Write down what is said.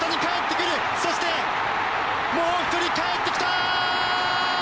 そして、もう１人かえってきた！